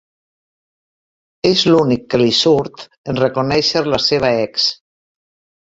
És l'únic que li surt, en reconèixer la seva ex.